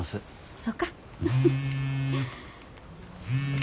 そうか。